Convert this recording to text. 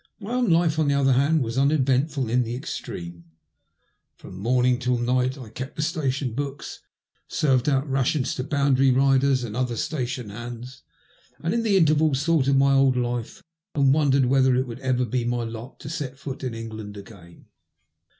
My own life, on the other hand, was uneventful in the extreme. 8 THE LUST OF HATE. From morning till night I kept the station books, served out rations to boundary riders and other station hands, and, in the intervals, thought of my old life, and wondered whether it would ever be my lot to set foot in England again.